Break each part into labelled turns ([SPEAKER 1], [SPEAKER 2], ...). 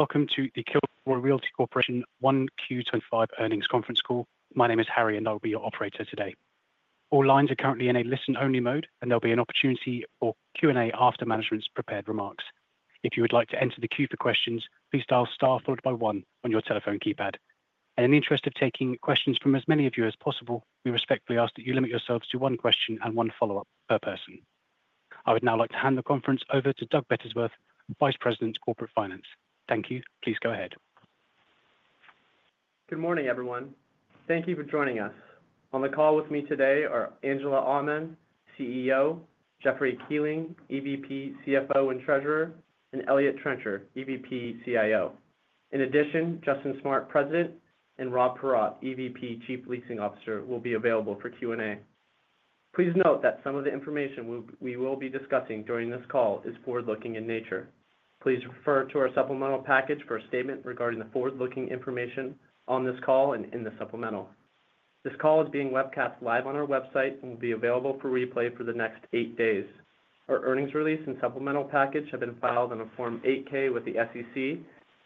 [SPEAKER 1] Welcome to the Kilroy Realty Corporation 1Q25 earnings conference call. My name is Harry, and I'll be your operator today. All lines are currently in a listen-only mode, and there will be an opportunity for Q&A after management's prepared remarks. If you would like to enter the queue for questions, please dial STAR followed by one on your telephone keypad. In the interest of taking questions from as many of you as possible, we respectfully ask that you limit yourselves to one question and one follow-up per person. I would now like to hand the conference over to Doug Bettisworth, Vice President, Corporate Finance. Thank you. Please go ahead.
[SPEAKER 2] Good morning, everyone. Thank you for joining us. On the call with me today are Angela Aman, CEO; Jeffrey Kuehling, EVP, CFO and Treasurer; and Eliott Trencher, EVP, CIO. In addition, Justin Smart, President; and Rob Paratte, EVP, Chief Leasing Officer, will be available for Q&A. Please note that some of the information we will be discussing during this call is forward-looking in nature. Please refer to our supplemental package for a statement regarding the forward-looking information on this call and in the supplemental. This call is being webcast live on our website and will be available for replay for the next eight days. Our earnings release and supplemental package have been filed on a Form 8-K with the SEC,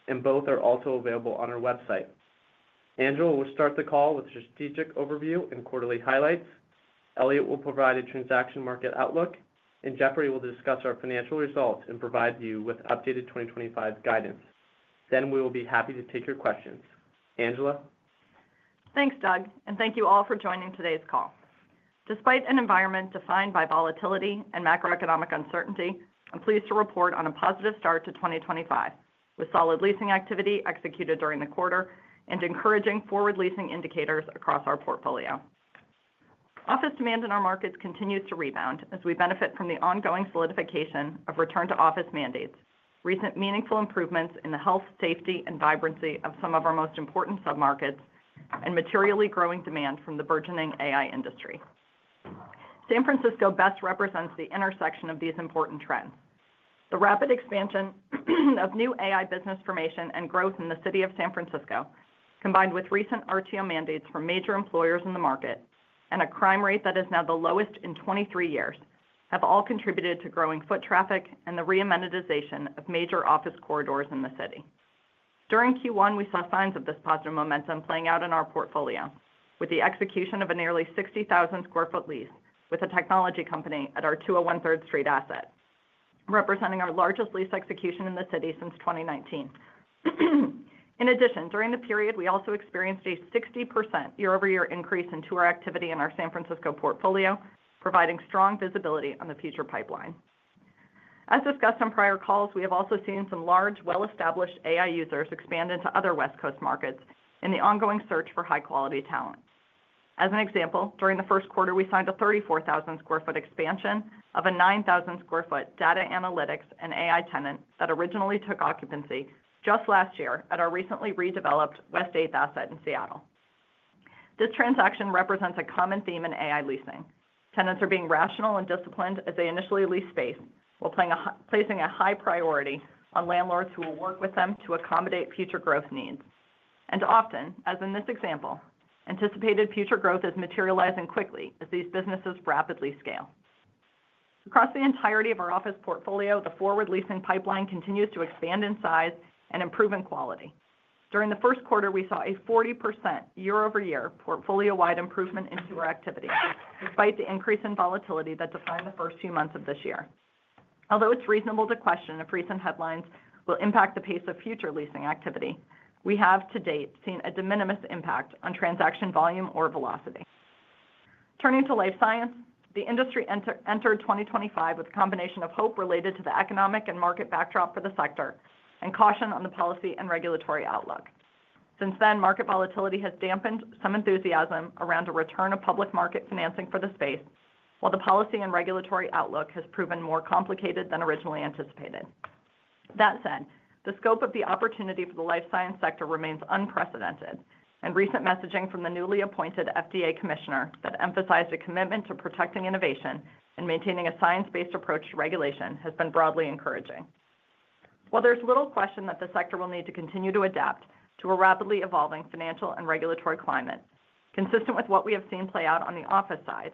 [SPEAKER 2] and both are also available on our website. Angela will start the call with a strategic overview and quarterly highlights. Eliott will provide a transaction market outlook, and Jeffrey will discuss our financial results and provide you with updated 2025 guidance. We will be happy to take your questions. Angela.
[SPEAKER 3] Thanks, Doug, and thank you all for joining today's call. Despite an environment defined by volatility and macroeconomic uncertainty, I'm pleased to report on a positive start to 2025 with solid leasing activity executed during the quarter and encouraging forward-leasing indicators across our portfolio. Office demand in our markets continues to rebound as we benefit from the ongoing solidification of return-to-office mandates, recent meaningful improvements in the health, safety, and vibrancy of some of our most important sub-markets, and materially growing demand from the burgeoning AI industry. San Francisco best represents the intersection of these important trends. The rapid expansion of new AI business formation and growth in the city of San Francisco, combined with recent RTO mandates from major employers in the market and a crime rate that is now the lowest in 23 years, have all contributed to growing foot traffic and the reactivation of major office corridors in the city. During Q1, we saw signs of this positive momentum playing out in our portfolio with the execution of a nearly 60,000 sq ft lease with a technology company at our 201 Third Street asset, representing our largest lease execution in the city since 2019. In addition, during the period, we also experienced a 60% year-over-year increase in tour activity in our San Francisco portfolio, providing strong visibility on the future pipeline. As discussed on prior calls, we have also seen some large, well-established AI users expand into other West Coast markets in the ongoing search for high-quality talent. As an example, during the first quarter, we signed a 34,000 sq ft expansion of a 9,000 sq ft data analytics and AI tenant that originally took occupancy just last year at our recently redeveloped West 8th asset in Seattle. This transaction represents a common theme in AI leasing. Tenants are being rational and disciplined as they initially lease space while placing a high priority on landlords who will work with them to accommodate future growth needs. Often, as in this example, anticipated future growth is materializing quickly as these businesses rapidly scale. Across the entirety of our office portfolio, the forward-leasing pipeline continues to expand in size and improve in quality. During the first quarter, we saw a 40% year-over-year portfolio-wide improvement in tour activity, despite the increase in volatility that defined the first few months of this year. Although it's reasonable to question if recent headlines will impact the pace of future leasing activity, we have to date seen a de minimis impact on transaction volume or velocity. Turning to life science, the industry entered 2025 with a combination of hope related to the economic and market backdrop for the sector and caution on the policy and regulatory outlook. Since then, market volatility has dampened some enthusiasm around a return of public market financing for the space, while the policy and regulatory outlook has proven more complicated than originally anticipated. That said, the scope of the opportunity for the life science sector remains unprecedented, and recent messaging from the newly appointed FDA Commissioner that emphasized a commitment to protecting innovation and maintaining a science-based approach to regulation has been broadly encouraging. While there's little question that the sector will need to continue to adapt to a rapidly evolving financial and regulatory climate, consistent with what we have seen play out on the office side,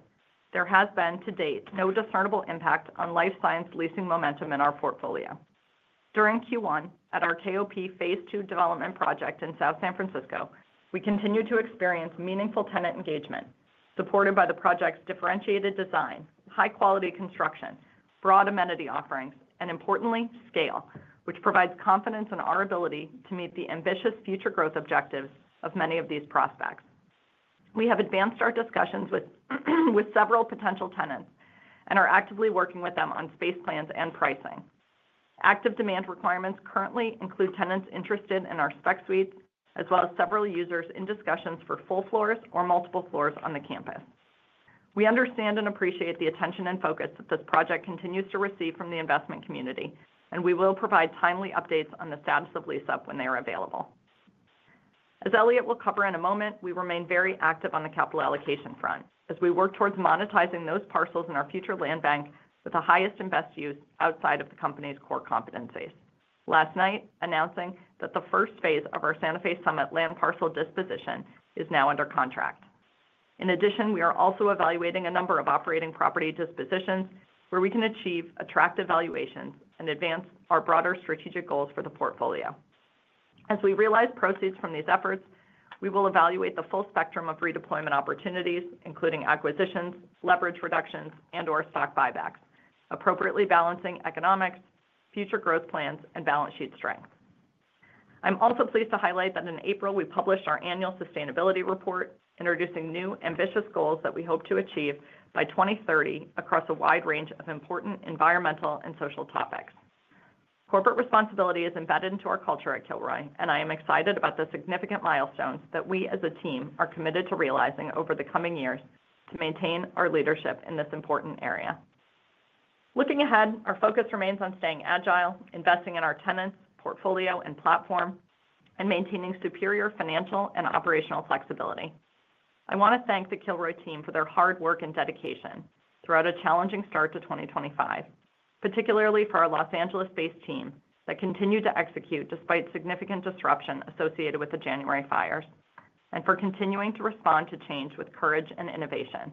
[SPEAKER 3] there has been, to date, no discernible impact on life science leasing momentum in our portfolio. During Q1, at our KOP Phase II development project in South San Francisco, we continued to experience meaningful tenant engagement, supported by the project's differentiated design, high-quality construction, broad amenity offerings, and importantly, scale, which provides confidence in our ability to meet the ambitious future growth objectives of many of these prospects. We have advanced our discussions with several potential tenants and are actively working with them on space plans and pricing. Active demand requirements currently include tenants interested in our spec suites, as well as several users in discussions for full floors or multiple floors on the campus. We understand and appreciate the attention and focus that this project continues to receive from the investment community, and we will provide timely updates on the status of lease-up when they are available. As Eliott will cover in a moment, we remain very active on the capital allocation front as we work towards monetizing those parcels in our future land bank with the highest and best use outside of the company's core competencies. Last night, announcing that the first phase of our Santa Fe Summit land parcel disposition is now under contract. In addition, we are also evaluating a number of operating property dispositions where we can achieve attractive valuations and advance our broader strategic goals for the portfolio. As we realize proceeds from these efforts, we will evaluate the full spectrum of redeployment opportunities, including acquisitions, leverage reductions, and/or stock buybacks, appropriately balancing economics, future growth plans, and balance sheet strength. I'm also pleased to highlight that in April, we published our annual sustainability report, introducing new ambitious goals that we hope to achieve by 2030 across a wide range of important environmental and social topics. Corporate responsibility is embedded into our culture at Kilroy, and I am excited about the significant milestones that we as a team are committed to realizing over the coming years to maintain our leadership in this important area. Looking ahead, our focus remains on staying agile, investing in our tenants, portfolio, and platform, and maintaining superior financial and operational flexibility. I want to thank the Kilroy team for their hard work and dedication throughout a challenging start to 2025, particularly for our Los Angeles-based team that continued to execute despite significant disruption associated with the January fires, and for continuing to respond to change with courage and innovation.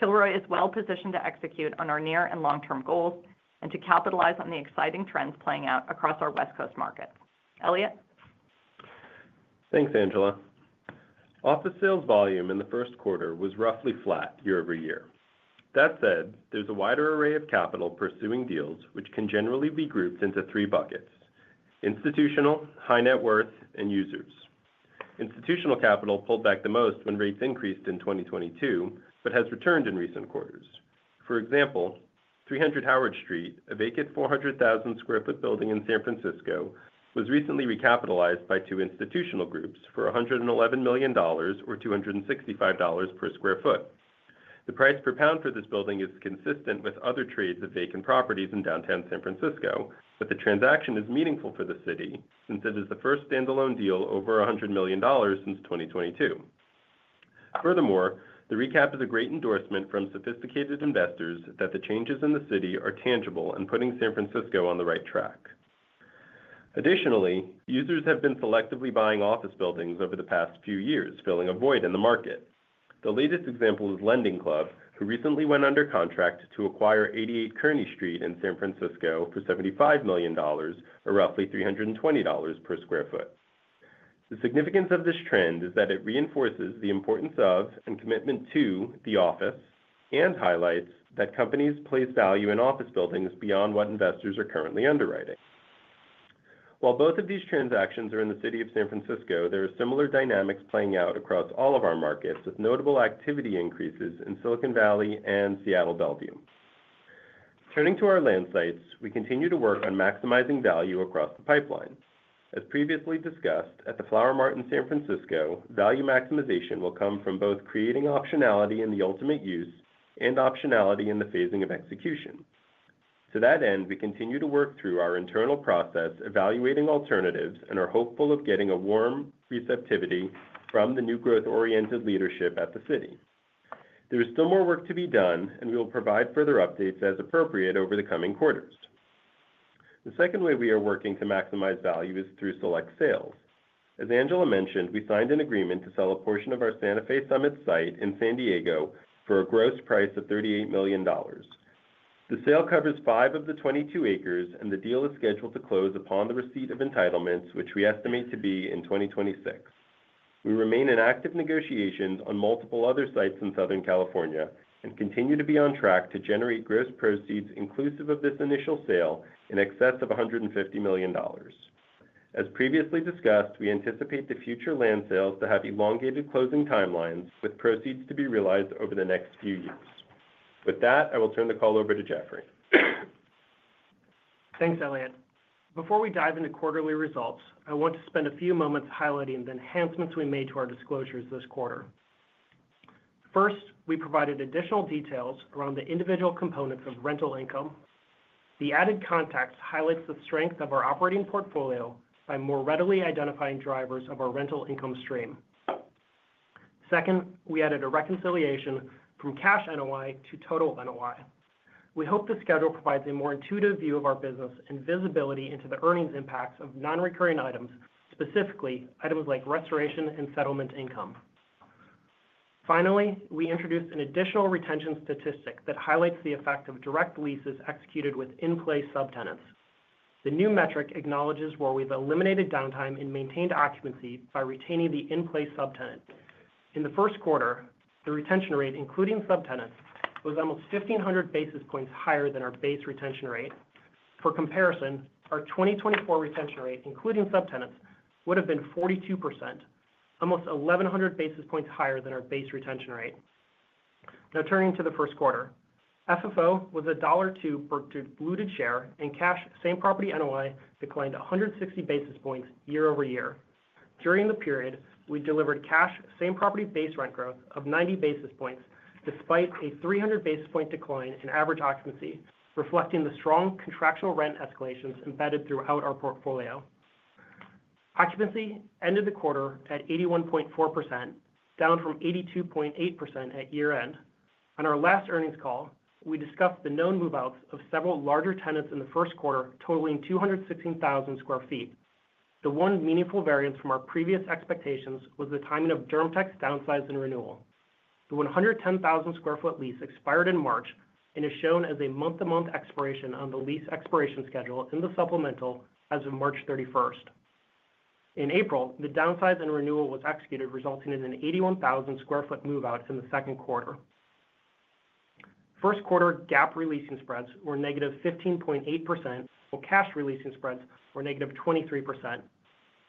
[SPEAKER 3] Kilroy is well-positioned to execute on our near and long-term goals and to capitalize on the exciting trends playing out across our West Coast markets. Eliott?
[SPEAKER 4] Thanks, Angela. Office sales volume in the first quarter was roughly flat year-over-year. That said, there is a wider array of capital pursuing deals, which can generally be grouped into three buckets: institutional, high net worth, and users. Institutional capital pulled back the most when rates increased in 2022 but has returned in recent quarters. For example, 300 Howard Street, a vacant 400,000 sq ft building in San Francisco, was recently recapitalized by two institutional groups for $111 million, or $265 per sq ft. The price per pound for this building is consistent with other trades of vacant properties in downtown San Francisco, but the transaction is meaningful for the city since it is the first standalone deal over $100 million since 2022. Furthermore, the recap is a great endorsement from sophisticated investors that the changes in the city are tangible and putting San Francisco on the right track. Additionally, users have been selectively buying office buildings over the past few years, filling a void in the market. The latest example is LendingClub, who recently went under contract to acquire 88 Kearny Street in San Francisco for $75 million, or roughly $320 per sq ft. The significance of this trend is that it reinforces the importance of and commitment to the office and highlights that companies place value in office buildings beyond what investors are currently underwriting. While both of these transactions are in the city of San Francisco, there are similar dynamics playing out across all of our markets with notable activity increases in Silicon Valley and Seattle, Bellevue. Turning to our land sites, we continue to work on maximizing value across the pipeline. As previously discussed at the Flower Mart in San Francisco, value maximization will come from both creating optionality in the ultimate use and optionality in the phasing of execution. To that end, we continue to work through our internal process, evaluating alternatives, and are hopeful of getting a warm receptivity from the new growth-oriented leadership at the city. There is still more work to be done, and we will provide further updates as appropriate over the coming quarters. The second way we are working to maximize value is through select sales. As Angela mentioned, we signed an agreement to sell a portion of our Santa Fe Summit site in San Diego for a gross price of $38 million. The sale covers five of the 22 acres, and the deal is scheduled to close upon the receipt of entitlements, which we estimate to be in 2026. We remain in active negotiations on multiple other sites in Southern California and continue to be on track to generate gross proceeds inclusive of this initial sale in excess of $150 million. As previously discussed, we anticipate the future land sales to have elongated closing timelines with proceeds to be realized over the next few years. With that, I will turn the call over to Jeffrey.
[SPEAKER 5] Thanks, Eliott. Before we dive into quarterly results, I want to spend a few moments highlighting the enhancements we made to our disclosures this quarter. First, we provided additional details around the individual components of rental income. The added context highlights the strength of our operating portfolio by more readily identifying drivers of our rental income stream. Second, we added a reconciliation from cash NOI to total NOI. We hope the schedule provides a more intuitive view of our business and visibility into the earnings impacts of non-recurring items, specifically items like restoration and settlement income. Finally, we introduced an additional retention statistic that highlights the effect of direct leases executed with in-place subtenants. The new metric acknowledges where we've eliminated downtime and maintained occupancy by retaining the in-place subtenant. In the first quarter, the retention rate, including subtenants, was almost 1,500 basis points higher than our base retention rate. For comparison, our 2024 retention rate, including subtenants, would have been 42%, almost 1,100 basis points higher than our base retention rate. Now, turning to the first quarter, FFO was $1.02 per diluted share, and cash same property NOI declined 160 basis points year-over-year. During the period, we delivered cash same property base rent growth of 90 basis points despite a 300 basis point decline in average occupancy, reflecting the strong contractual rent escalations embedded throughout our portfolio. Occupancy ended the quarter at 81.4%, down from 82.8% at year-end. On our last earnings call, we discussed the known move-outs of several larger tenants in the first quarter, totaling 216,000 sq ft. The one meaningful variance from our previous expectations was the timing of DermTech downsize and renewal. The 110,000 sq ft lease expired in March and is shown as a month-to-month expiration on the lease expiration schedule in the supplemental as of March 31. In April, the downsize and renewal was executed, resulting in an 81,000 sq ft move-out in the second quarter. First quarter GAAP re-leasing spreads were -15.8%, while cash releasing spreads were -23%.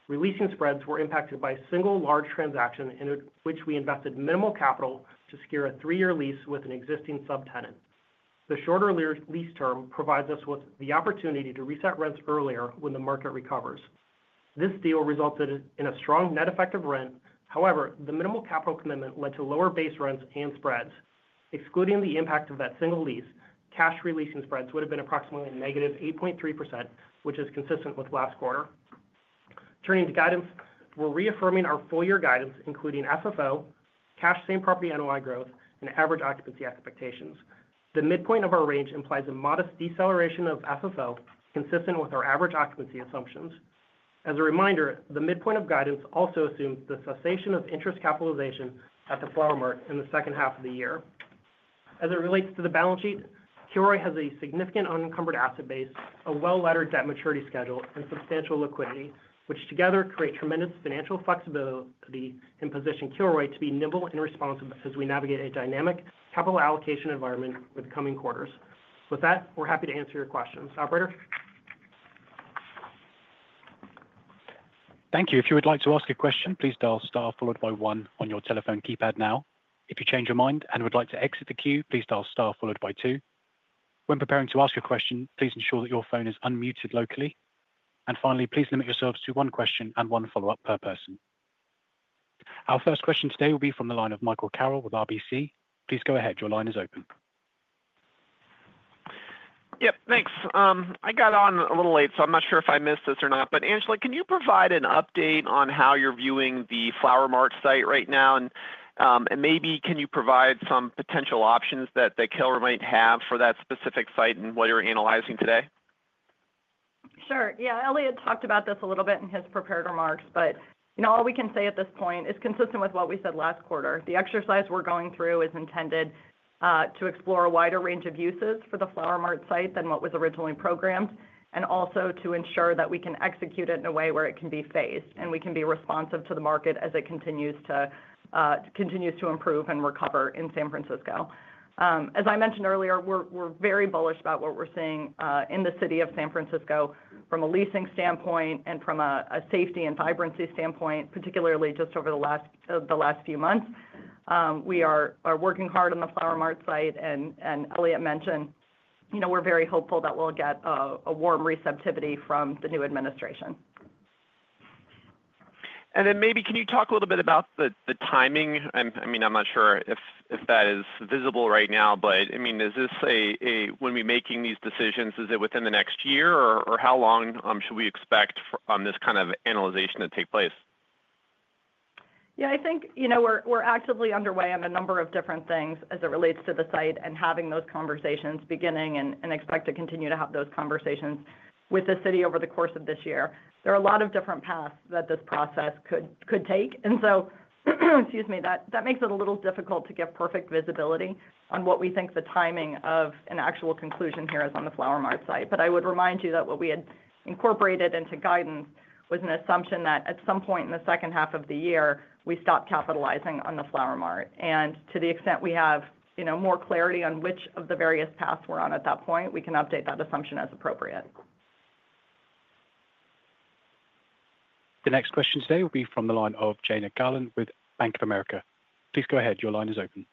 [SPEAKER 5] Releasing spreads were impacted by a single large transaction in which we invested minimal capital to secure a three-year lease with an existing subtenant. The shorter lease term provides us with the opportunity to reset rents earlier when the market recovers. This deal resulted in a strong net effective rent. However, the minimal capital commitment led to lower base rents and spreads. Excluding the impact of that single lease, cash releasing spreads would have been approximately -8.3%, which is consistent with last quarter. Turning to guidance, we're reaffirming our four-year guidance, including FFO, cash same property NOI growth, and average occupancy expectations. The midpoint of our range implies a modest deceleration of FFO, consistent with our average occupancy assumptions. As a reminder, the midpoint of guidance also assumes the cessation of interest capitalization at the Flower Mart in the second half of the year. As it relates to the balance sheet, Kilroy has a significant unencumbered asset base, a well-laddered debt maturity schedule, and substantial liquidity, which together create tremendous financial flexibility and position Kilroy to be nimble and responsive as we navigate a dynamic capital allocation environment with the coming quarters. With that, we're happy to answer your questions. Operator?
[SPEAKER 1] Thank you. If you would like to ask a question, please dial star followed by one on your telephone keypad now. If you change your mind and would like to exit the queue, please dial star followed by two. When preparing to ask a question, please ensure that your phone is unmuted locally. Finally, please limit yourselves to one question and one follow-up per person. Our first question today will be from the line of Michael Carroll with RBC. Please go ahead. Your line is open.
[SPEAKER 6] Yep, thanks. I got on a little late, so I'm not sure if I missed this or not. Angela, can you provide an update on how you're viewing the Flower Mart site right now? Maybe can you provide some potential options that Kilroy might have for that specific site and what you're analyzing today?
[SPEAKER 3] Sure. Yeah, Eliott talked about this a little bit in his prepared remarks, but all we can say at this point is consistent with what we said last quarter. The exercise we're going through is intended to explore a wider range of uses for the Flower Mart site than what was originally programmed, and also to ensure that we can execute it in a way where it can be phased and we can be responsive to the market as it continues to improve and recover in San Francisco. As I mentioned earlier, we're very bullish about what we're seeing in the city of San Francisco from a leasing standpoint and from a safety and vibrancy standpoint, particularly just over the last few months. We are working hard on the Flower Mart site, and Eliott mentioned we're very hopeful that we'll get a warm receptivity from the new administration.
[SPEAKER 6] Maybe can you talk a little bit about the timing? I mean, I'm not sure if that is visible right now, but I mean, is this a—when we're making these decisions, is it within the next year, or how long should we expect this kind of analyzation to take place?
[SPEAKER 3] Yeah, I think we're actively underway on a number of different things as it relates to the site and having those conversations beginning and expect to continue to have those conversations with the city over the course of this year. There are a lot of different paths that this process could take. Excuse me, that makes it a little difficult to give perfect visibility on what we think the timing of an actual conclusion here is on the Flower Mart site. I would remind you that what we had incorporated into guidance was an assumption that at some point in the second half of the year, we stop capitalizing on the Flower Mart. To the extent we have more clarity on which of the various paths we're on at that point, we can update that assumption as appropriate.
[SPEAKER 1] The next question today will be from the line of Jana Galan with Bank of America. Please go ahead. Your line is open.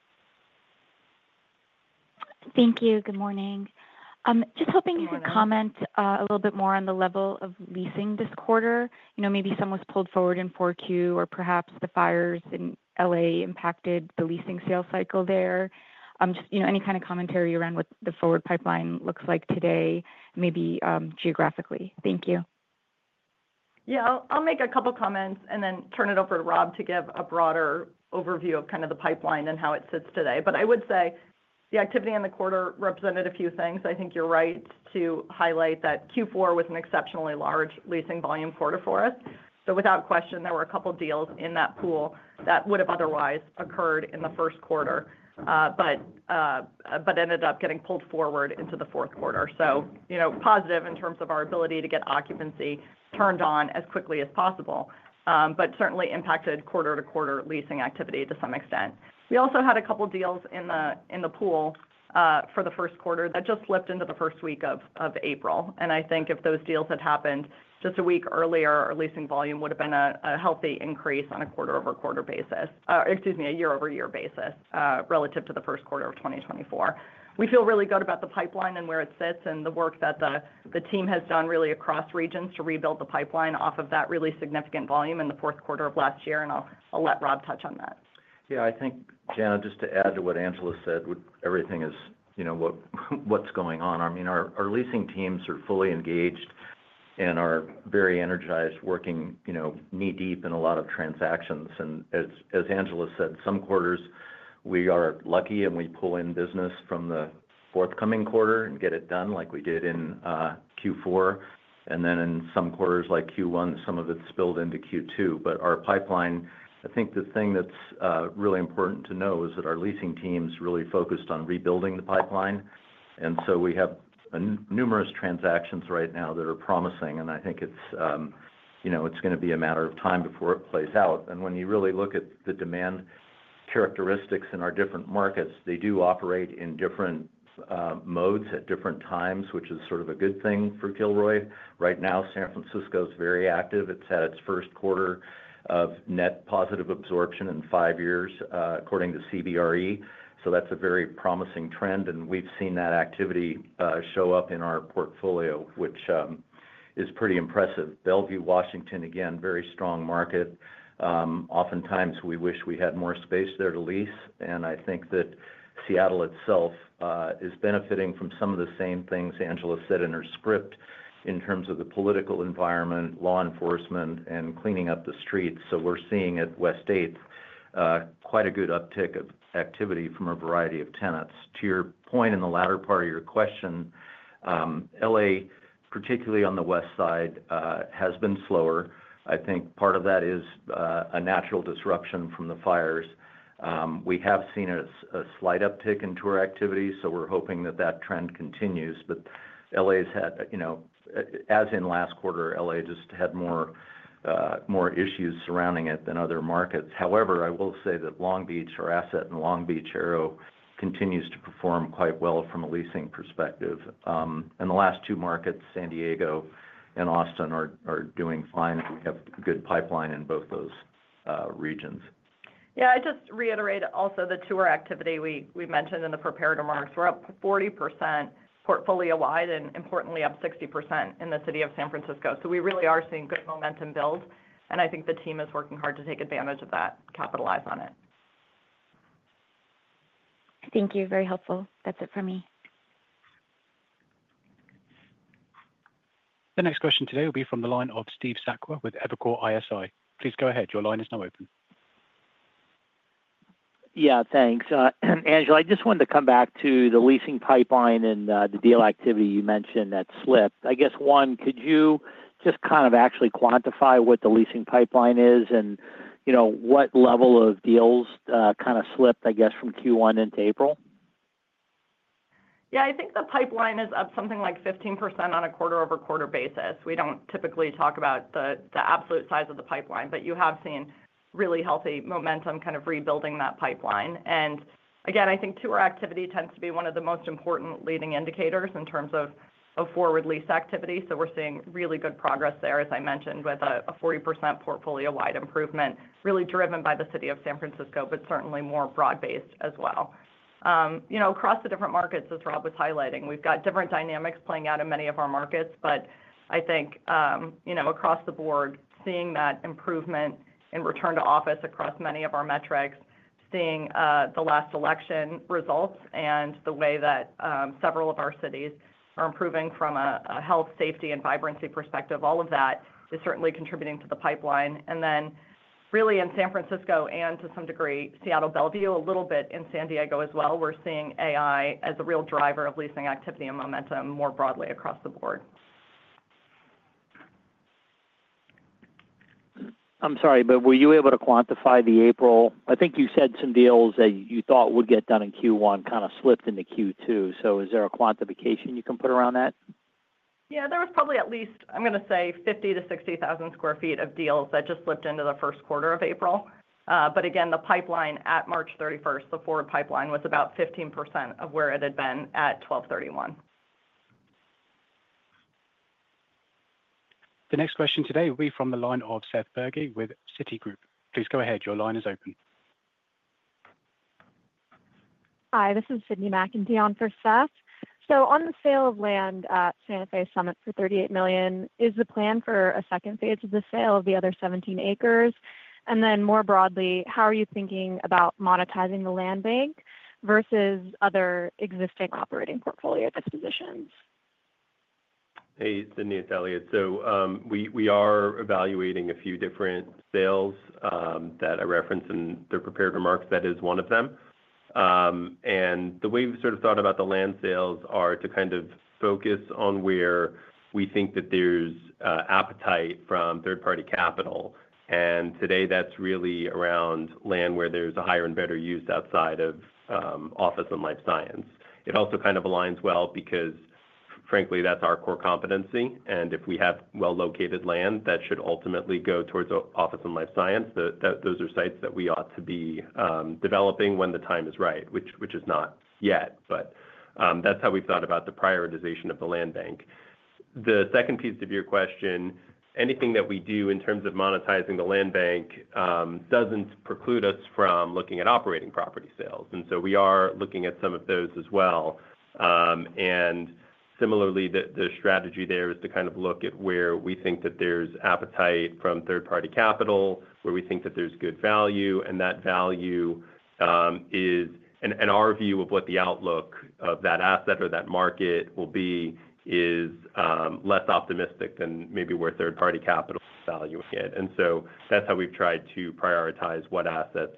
[SPEAKER 7] Thank you. Good morning. Just hoping you could comment a little bit more on the level of leasing this quarter. Maybe some was pulled forward in Q4, or perhaps the fires in L.A. impacted the leasing sales cycle there. Just any kind of commentary around what the forward pipeline looks like today, maybe geographically. Thank you.
[SPEAKER 3] Yeah, I'll make a couple of comments and then turn it over to Rob to give a broader overview of kind of the pipeline and how it sits today. I would say the activity in the quarter represented a few things. I think you're right to highlight that Q4 was an exceptionally large leasing volume quarter for us. Without question, there were a couple of deals in that pool that would have otherwise occurred in the first quarter but ended up getting pulled forward into the fourth quarter. Positive in terms of our ability to get occupancy turned on as quickly as possible, but certainly impacted quarter-to-quarter leasing activity to some extent. We also had a couple of deals in the pool for the first quarter that just slipped into the first week of April. I think if those deals had happened just a week earlier, our leasing volume would have been a healthy increase on a quarter-over-quarter basis, excuse me, a year-over-year basis, relative to the first quarter of 2024. We feel really good about the pipeline and where it sits and the work that the team has done really across regions to rebuild the pipeline off of that really significant volume in the fourth quarter of last year. I'll let Rob touch on that.
[SPEAKER 8] Yeah, I think, Jana, just to add to what Angela said, everything is—what's going on? I mean, our leasing teams are fully engaged and are very energized, working knee-deep in a lot of transactions. As Angela said, some quarters we are lucky and we pull in business from the forthcoming quarter and get it done like we did in Q4. In some quarters like Q1, some of it spilled into Q2. Our pipeline, I think the thing that's really important to know is that our leasing teams really focused on rebuilding the pipeline. We have numerous transactions right now that are promising. I think it's going to be a matter of time before it plays out. When you really look at the demand characteristics in our different markets, they do operate in different modes at different times, which is sort of a good thing for Kilroy. Right now, San Francisco is very active. It has had its first quarter of net positive absorption in five years, according to CBRE. That is a very promising trend. We have seen that activity show up in our portfolio, which is pretty impressive. Bellevue, Washington, again, very strong market. Oftentimes, we wish we had more space there to lease. I think that Seattle itself is benefiting from some of the same things Angela said in her script in terms of the political environment, law enforcement, and cleaning up the streets. We are seeing at West 8th quite a good uptick of activity from a variety of tenants. To your point in the latter part of your question, L.A., particularly on the West Side, has been slower. I think part of that is a natural disruption from the fires. We have seen a slight uptick in tour activity, so we're hoping that that trend continues. L.A. has had, as in last quarter, L.A. just had more issues surrounding it than other markets. However, I will say that Long Beach, our asset, and Long Beach, Aero continues to perform quite well from a leasing perspective. The last two markets, San Diego and Austin, are doing fine. We have good pipeline in both those regions.
[SPEAKER 3] Yeah, I just reiterate also the tour activity we mentioned in the prepared remarks. We're up 40% portfolio-wide and, importantly, up 60% in the city of San Francisco. We really are seeing good momentum build. I think the team is working hard to take advantage of that, capitalize on it.
[SPEAKER 7] Thank you. Very helpful. That's it for me.
[SPEAKER 1] The next question today will be from the line of Steve Sakwa with Evercore ISI. Please go ahead. Your line is now open.
[SPEAKER 9] Yeah, thanks. Angela, I just wanted to come back to the leasing pipeline and the deal activity you mentioned that slipped. I guess, one, could you just kind of actually quantify what the leasing pipeline is and what level of deals kind of slipped, I guess, from Q1 into April?
[SPEAKER 3] Yeah, I think the pipeline is up something like 15% on a quarter-over-quarter basis. We do not typically talk about the absolute size of the pipeline, but you have seen really healthy momentum kind of rebuilding that pipeline. I think tour activity tends to be one of the most important leading indicators in terms of forward lease activity. We are seeing really good progress there, as I mentioned, with a 40% portfolio-wide improvement, really driven by the city of San Francisco, but certainly more broad-based as well. Across the different markets, as Rob was highlighting, we have got different dynamics playing out in many of our markets. I think across the board, seeing that improvement in return to office across many of our metrics, seeing the last election results, and the way that several of our cities are improving from a health, safety, and vibrancy perspective, all of that is certainly contributing to the pipeline. Really in San Francisco and to some degree, Seattle, Bellevue, a little bit in San Diego as well, we're seeing AI as a real driver of leasing activity and momentum more broadly across the board.
[SPEAKER 9] I'm sorry, but were you able to quantify the April—I think you said some deals that you thought would get done in Q1 kind of slipped into Q2. Is there a quantification you can put around that?
[SPEAKER 3] Yeah, there was probably at least, I'm going to say, 50,000 sq ft-60,000 sq ft of deals that just slipped into the first quarter of April. Again, the pipeline at March 31, the forward pipeline, was about 15% of where it had been at 12/31.
[SPEAKER 1] The next question today will be from the line of Seth Bergey with Citigroup. Please go ahead. Your line is open.
[SPEAKER 10] Hi, this is Sydney McEntee for Seth. On the sale of land at Santa Fe Summit for $38 million, is the plan for a second phase of the sale of the other 17 acres? More broadly, how are you thinking about monetizing the land bank versus other existing operating portfolio dispositions?
[SPEAKER 4] Hey, Sydney and Eliott. We are evaluating a few different sales that I referenced in the prepared remarks. That is one of them. The way we have sort of thought about the land sales is to kind of focus on where we think that there is appetite from third-party capital. Today, that is really around land where there is a higher and better use outside of office and life science. It also kind of aligns well because, frankly, that is our core competency. If we have well-located land, that should ultimately go towards office and life science. Those are sites that we ought to be developing when the time is right, which is not yet. That is how we have thought about the prioritization of the land bank. The second piece of your question, anything that we do in terms of monetizing the land bank does not preclude us from looking at operating property sales. We are looking at some of those as well. Similarly, the strategy there is to kind of look at where we think that there is appetite from third-party capital, where we think that there is good value. That value is—and our view of what the outlook of that asset or that market will be is less optimistic than maybe where third-party capital is valuing it. That is how we have tried to prioritize what assets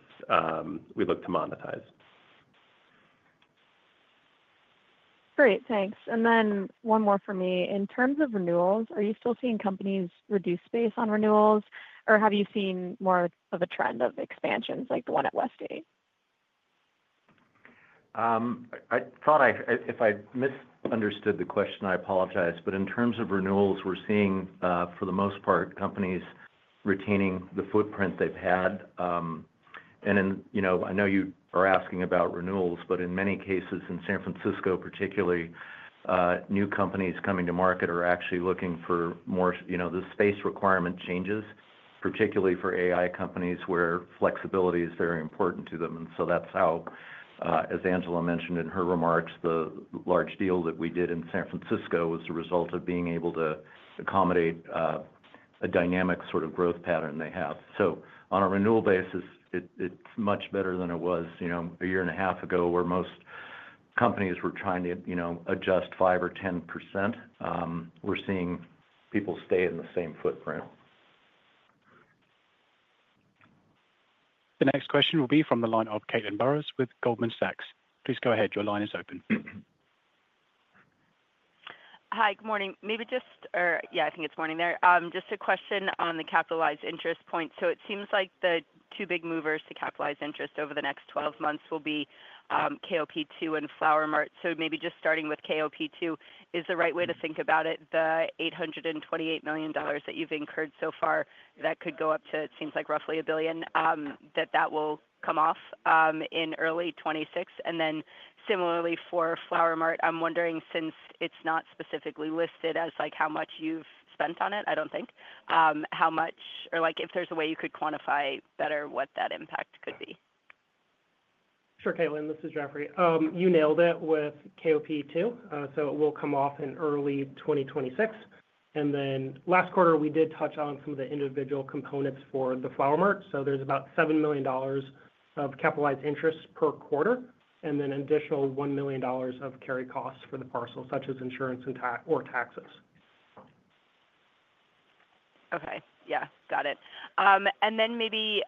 [SPEAKER 4] we look to monetize.
[SPEAKER 10] Great. Thanks. One more for me. In terms of renewals, are you still seeing companies reduce space on renewals, or have you seen more of a trend of expansions like the one at West 8th?
[SPEAKER 8] I thought I—if I misunderstood the question, I apologize. In terms of renewals, we're seeing, for the most part, companies retaining the footprint they've had. I know you are asking about renewals, but in many cases, in San Francisco particularly, new companies coming to market are actually looking for more—the space requirement changes, particularly for AI companies where flexibility is very important to them. That is how, as Angela mentioned in her remarks, the large deal that we did in San Francisco was the result of being able to accommodate a dynamic sort of growth pattern they have. On a renewal basis, it's much better than it was a year and a half ago where most companies were trying to adjust 5% or 10%. We're seeing people stay in the same footprint.
[SPEAKER 1] The next question will be from the line of Caitlin Burrows with Goldman Sachs. Please go ahead. Your line is open.
[SPEAKER 11] Hi, good morning. Maybe just—or yeah, I think it's morning there. Just a question on the capitalized interest point. It seems like the two big movers to capitalize interest over the next 12 months will be KOP2 and Flower Mart. Maybe just starting with KOP2, is the right way to think about it the $828 million that you've incurred so far, that could go up to, it seems like, roughly a billion, that that will come off in early 2026? And then similarly for Flower Mart, I'm wondering, since it's not specifically listed as how much you've spent on it, I don't think, how much—or if there's a way you could quantify better what that impact could be.
[SPEAKER 5] Sure, Caitlin. This is Jeffrey. You nailed it with KOP2. It will come off in early 2026. Last quarter, we did touch on some of the individual components for the Flower Mart. There is about $7 million of capitalized interest per quarter and an additional $1 million of carry costs for the parcel, such as insurance or taxes.
[SPEAKER 11] Okay. Yeah. Got it. And then maybe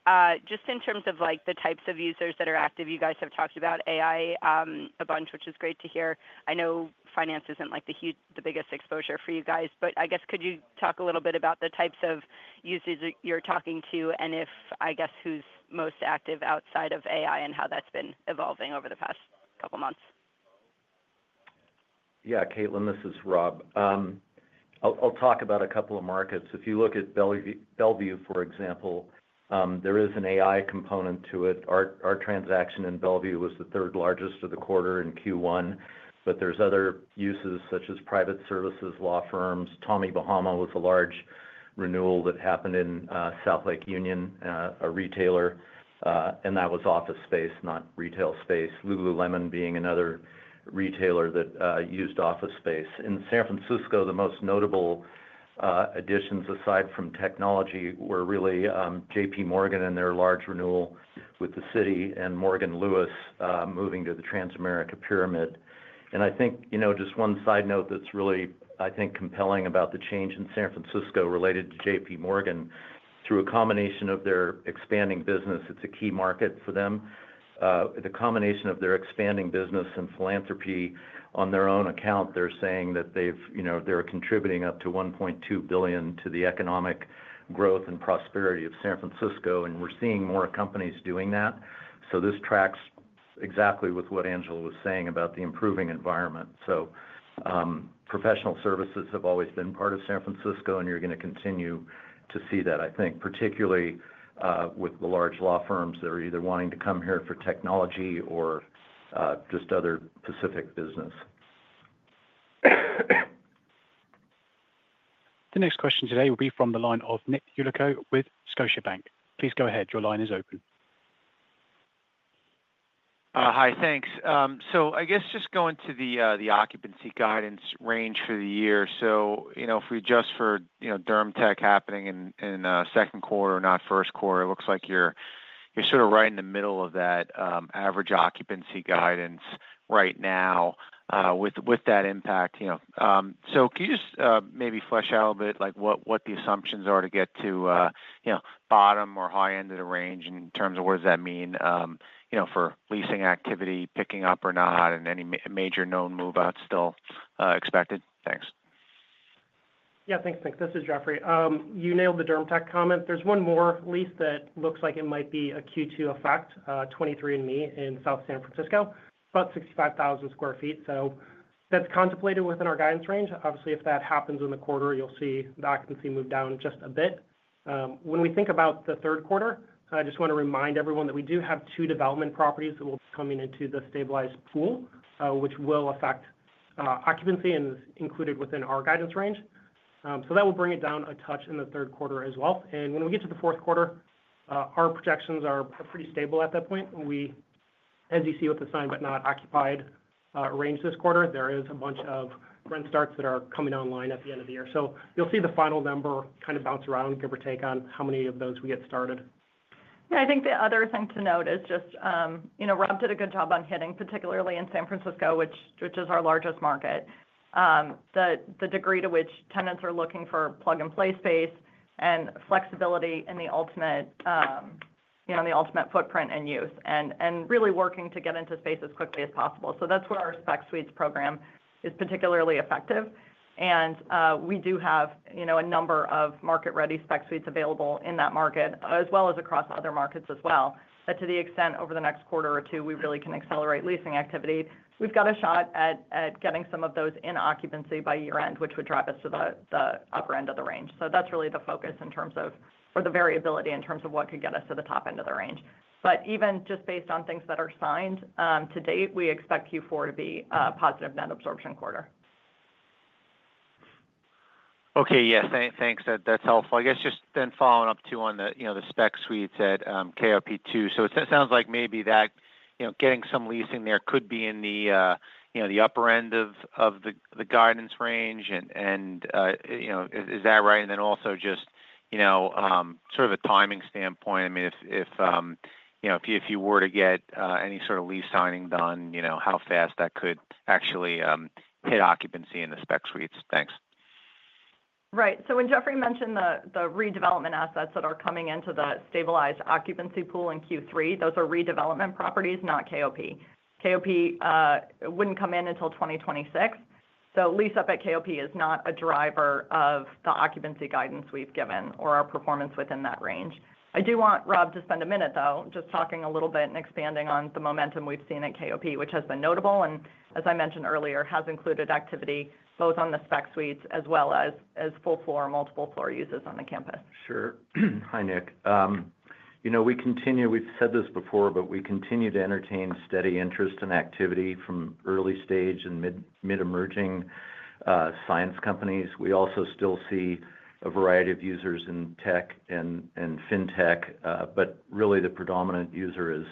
[SPEAKER 11] just in terms of the types of users that are active, you guys have talked about AI a bunch, which is great to hear. I know finance is not the biggest exposure for you guys. But I guess, could you talk a little bit about the types of users you are talking to and if, I guess, who is most active outside of AI and how that has been evolving over the past couple of months?
[SPEAKER 8] Yeah, Caitlin, this is Rob. I'll talk about a couple of markets. If you look at Bellevue, for example, there is an AI component to it. Our transaction in Bellevue was the third largest of the quarter in Q1. There are other uses, such as private services, law firms. Tommy Bahama was a large renewal that happened in South Lake Union, a retailer. That was office space, not retail space. Lululemon being another retailer that used office space. In San Francisco, the most notable additions, aside from technology, were really JPMorgan and their large renewal with the city and Morgan Lewis moving to the Transamerica Pyramid. I think just one side note that is really, I think, compelling about the change in San Francisco related to JPMorgan, through a combination of their expanding business, it is a key market for them. The combination of their expanding business and philanthropy, on their own account, they're saying that they're contributing up to $1.2 billion to the economic growth and prosperity of San Francisco. We're seeing more companies doing that. This tracks exactly with what Angela was saying about the improving environment. Professional services have always been part of San Francisco, and you're going to continue to see that, I think, particularly with the large law firms that are either wanting to come here for technology or just other specific business.
[SPEAKER 1] The next question today will be from the line of Nick Yulico with Scotiabank. Please go ahead. Your line is open.
[SPEAKER 12] Hi, thanks. I guess just going to the occupancy guidance range for the year. If we adjust for DermTech happening in second quarter or not first quarter, it looks like you're sort of right in the middle of that average occupancy guidance right now with that impact. Can you just maybe flesh out a bit what the assumptions are to get to bottom or high-end of the range in terms of what does that mean for leasing activity, picking up or not, and any major known move-outs still expected? Thanks.
[SPEAKER 5] Yeah, thanks, Nick. This is Jeffrey. You nailed the DermTech comment. There's one more lease that looks like it might be a Q2 effect, 23andMe in South San Francisco, about 65,000 sq ft. That's contemplated within our guidance range. Obviously, if that happens in the quarter, you'll see the occupancy move down just a bit. When we think about the third quarter, I just want to remind everyone that we do have two development properties that will be coming into the stabilized pool, which will affect occupancy and is included within our guidance range. That will bring it down a touch in the third quarter as well. When we get to the fourth quarter, our projections are pretty stable at that point. As you see with the signed but not occupied range this quarter, there is a bunch of rent starts that are coming online at the end of the year. You will see the final number kind of bounce around, give or take, on how many of those we get started.
[SPEAKER 3] Yeah, I think the other thing to note is just Rob did a good job on hitting, particularly in San Francisco, which is our largest market, the degree to which tenants are looking for plug-and-play space and flexibility and the ultimate footprint and use and really working to get into space as quickly as possible. That is where our spec suites program is particularly effective. We do have a number of market-ready spec suites available in that market, as well as across other markets as well. To the extent, over the next quarter or two, we really can accelerate leasing activity, we've got a shot at getting some of those in occupancy by year-end, which would drive us to the upper end of the range. That's really the focus in terms of, or the variability in terms of what could get us to the top end of the range. But even just based on things that are signed to date, we expect Q4 to be a positive net absorption quarter.
[SPEAKER 12] Okay. Yes. Thanks. That's helpful. I guess just then following up too on the spec suites at KOP Phase II. It sounds like maybe that getting some leasing there could be in the upper end of the guidance range. Is that right? Also just sort of a timing standpoint, I mean, if you were to get any sort of lease signing done, how fast that could actually hit occupancy in the spec suites. Thanks.
[SPEAKER 3] Right. When Jeffrey mentioned the redevelopment assets that are coming into the stabilized occupancy pool in Q3, those are redevelopment properties, not KOP. KOP would not come in until 2026. Lease up at KOP is not a driver of the occupancy guidance we have given or our performance within that range. I do want Rob to spend a minute, though, just talking a little bit and expanding on the momentum we have seen at KOP, which has been notable and, as I mentioned earlier, has included activity both on the spec suites as well as full-floor, multiple-floor uses on the campus.
[SPEAKER 8] Sure. Hi, Nick. We continue—we've said this before, but we continue to entertain steady interest and activity from early-stage and mid-emerging science companies. We also still see a variety of users in tech and fintech, but really the predominant user is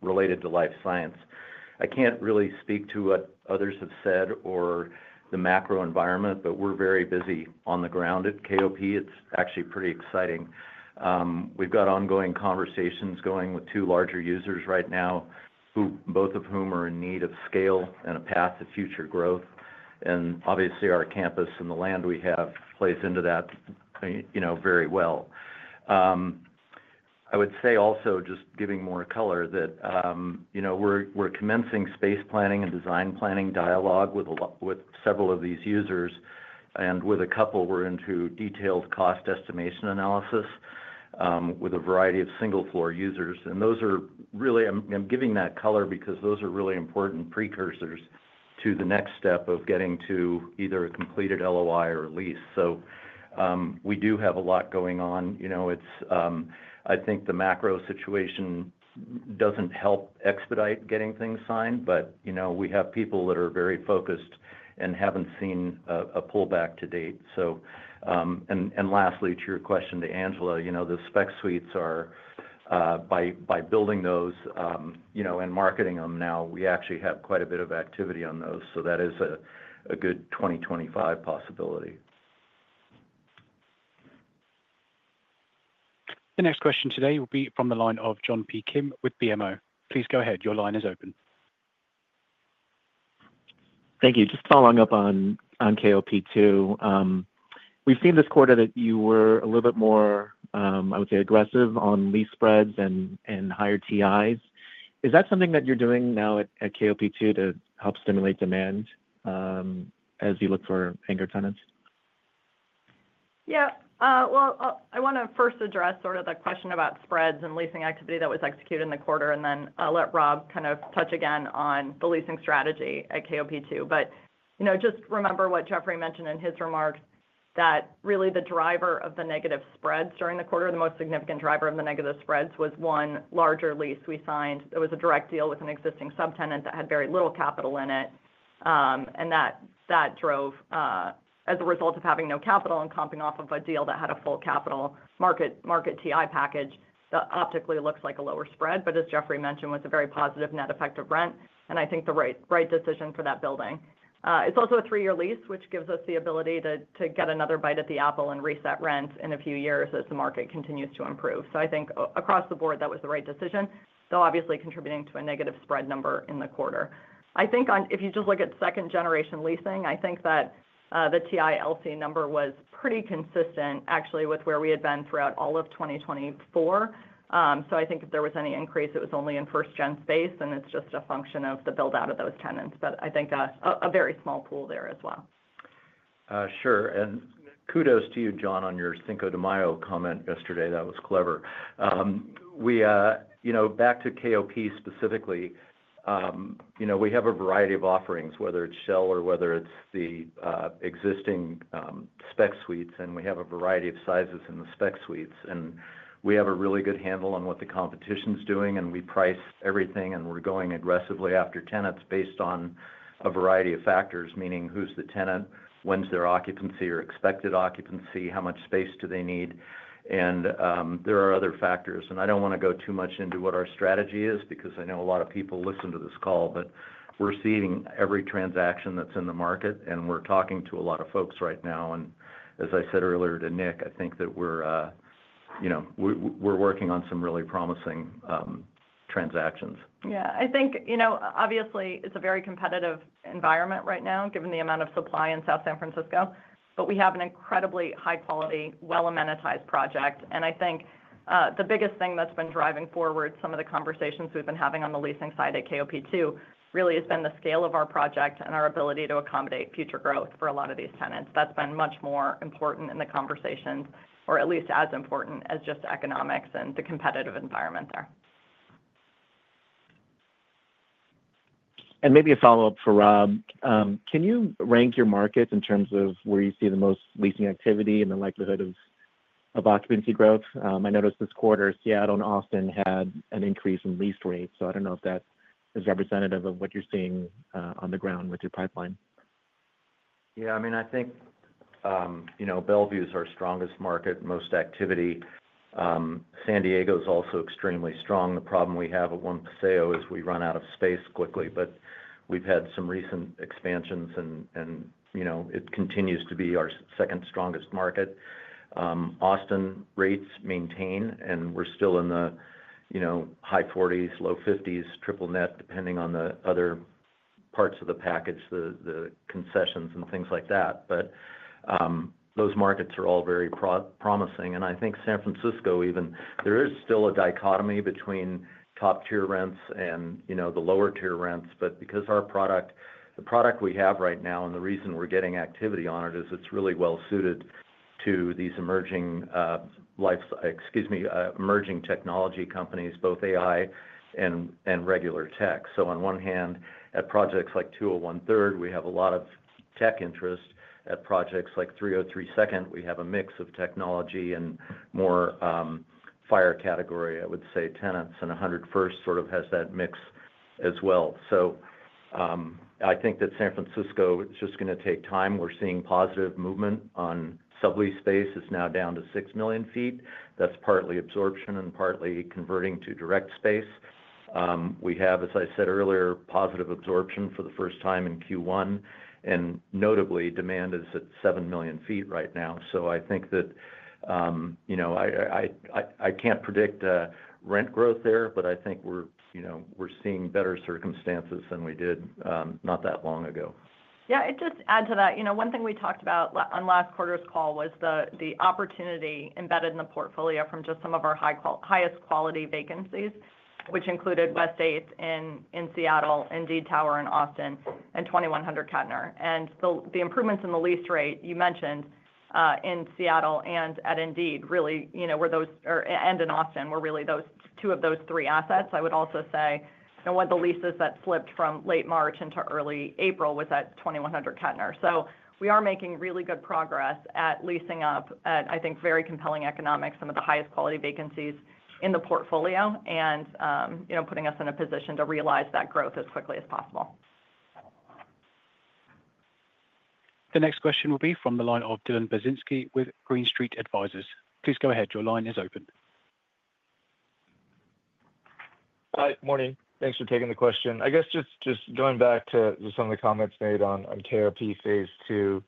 [SPEAKER 8] related to life science. I can't really speak to what others have said or the macro environment, but we're very busy on the ground at KOP. It's actually pretty exciting. We've got ongoing conversations going with two larger users right now, both of whom are in need of scale and a path to future growth. Obviously, our campus and the land we have plays into that very well. I would say also, just giving more color, that we're commencing space planning and design planning dialogue with several of these users. With a couple, we're into detailed cost estimation analysis with a variety of single-floor users. Those are really—I am giving that color because those are really important precursors to the next step of getting to either a completed LOI or a lease. We do have a lot going on. I think the macro situation does not help expedite getting things signed, but we have people that are very focused and have not seen a pullback to date. Lastly, to your question to Angela, the spec suites, by building those and marketing them now, we actually have quite a bit of activity on those. That is a good 2025 possibility.
[SPEAKER 1] The next question today will be from the line of John P. Kim with BMO. Please go ahead. Your line is open.
[SPEAKER 13] Thank you. Just following up on KOP Phase II, we've seen this quarter that you were a little bit more, I would say, aggressive on lease spreads and higher TIs. Is that something that you're doing now at KOP Phase II to help stimulate demand as you look for anchor tenants?
[SPEAKER 3] Yeah. I want to first address sort of the question about spreads and leasing activity that was executed in the quarter, and then I'll let Rob kind of touch again on the leasing strategy at KOP2. Just remember what Jeffrey mentioned in his remarks, that really the driver of the negative spreads during the quarter, the most significant driver of the negative spreads was one larger lease we signed. It was a direct deal with an existing subtenant that had very little capital in it. That drove, as a result of having no capital and comping off of a deal that had a full capital market TI package, that optically looks like a lower spread, but as Jeffrey mentioned, was a very positive net effective rent. I think the right decision for that building. It's also a three-year lease, which gives us the ability to get another bite at the apple and reset rents in a few years as the market continues to improve. I think across the board, that was the right decision, though obviously contributing to a negative spread number in the quarter. I think if you just look at second-generation leasing, I think that the TI LC number was pretty consistent, actually, with where we had been throughout all of 2024. If there was any increase, it was only in first-gen space, and it's just a function of the build-out of those tenants. I think a very small pool there as well.
[SPEAKER 8] Sure. Kudos to you, John, on your Cinco de Mayo comment yesterday. That was clever. Back to KOP specifically, we have a variety of offerings, whether it's shell or whether it's the existing spec suites. We have a variety of sizes in the spec suites. We have a really good handle on what the competition's doing. We price everything. We're going aggressively after tenants based on a variety of factors, meaning who's the tenant, when's their occupancy or expected occupancy, how much space do they need. There are other factors. I don't want to go too much into what our strategy is because I know a lot of people listen to this call, but we're seeing every transaction that's in the market. We're talking to a lot of folks right now. As I said earlier to Nick, I think that we're working on some really promising transactions.
[SPEAKER 3] Yeah. I think, obviously, it's a very competitive environment right now, given the amount of supply in South San Francisco. We have an incredibly high-quality, well-amenitized project. I think the biggest thing that's been driving forward some of the conversations we've been having on the leasing side at KOP2 really has been the scale of our project and our ability to accommodate future growth for a lot of these tenants. That's been much more important in the conversations, or at least as important as just economics and the competitive environment there.
[SPEAKER 13] Maybe a follow-up for Rob. Can you rank your market in terms of where you see the most leasing activity and the likelihood of occupancy growth? I noticed this quarter, Seattle and Austin had an increase in lease rates. I do not know if that is representative of what you are seeing on the ground with your pipeline.
[SPEAKER 8] Yeah. I mean, I think Bellevue is our strongest market, most activity. San Diego is also extremely strong. The problem we have at One Paseo is we run out of space quickly. But we've had some recent expansions, and it continues to be our second strongest market. Austin rates maintain, and we're still in the high 40s to low 50s, triple net, depending on the other parts of the package, the concessions and things like that. But those markets are all very promising. I think San Francisco, even there is still a dichotomy between top-tier rents and the lower-tier rents. Because the product we have right now and the reason we're getting activity on it is it's really well-suited to these emerging technology companies, both AI and regular tech. On one hand, at projects like 201 Third, we have a lot of tech interest. At projects like 303 Second, we have a mix of technology and more FIRE category, I would say, tenants. And 100 First sort of has that mix as well. I think that San Francisco is just going to take time. We're seeing positive movement on sublease space. It's now down to 6 million sq ft. That's partly absorption and partly converting to direct space. We have, as I said earlier, positive absorption for the first time in Q1. Notably, demand is at 7 million sq ft right now. I think that I can't predict rent growth there, but I think we're seeing better circumstances than we did not that long ago.
[SPEAKER 3] Yeah. Just add to that. One thing we talked about on last quarter's call was the opportunity embedded in the portfolio from just some of our highest quality vacancies, which included West 8th in Seattle, Indeed Tower in Austin, and 2100 Kettner. The improvements in the lease rate you mentioned in Seattle and at Indeed really were those and in Austin were really two of those three assets. I would also say one of the leases that slipped from late March into early April was at 2100 Kettner. We are making really good progress at leasing up at, I think, very compelling economics, some of the highest quality vacancies in the portfolio, and putting us in a position to realize that growth as quickly as possible.
[SPEAKER 1] The next question will be from the line of Dylan Burzinski with Green Street Advisors. Please go ahead. Your line is open.
[SPEAKER 14] Hi, morning. Thanks for taking the question. I guess just going back to some of the comments made on KOP Phase II,